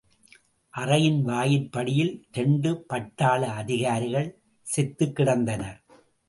அறையின் வாயிற்படியில் இரண்டு பட்டாள அதிகாரிகள் செத்துக்கிடந்தனர்.